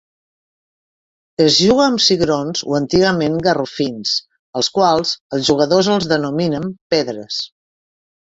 Es juga amb cigrons, o antigament garrofins, als quals els jugadors els denominen pedres.